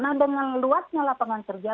nah dengan luasnya lapangan kerja